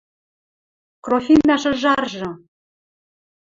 Крофинӓ шыжаржы